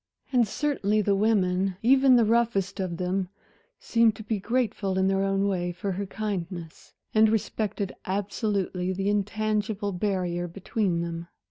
And certainly the women, even the roughest of them, seemed to be grateful in their own way for her kindness, and respected absolutely the intangible barrier between them.